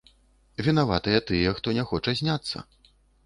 Вінаваты тыя, хто не хоча зняцца.